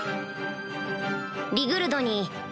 リグルドに